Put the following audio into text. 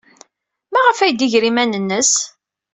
Maɣef ay d-iger iman-nnes?